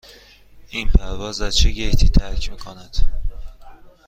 این پرواز از چه گیتی ترک می کند؟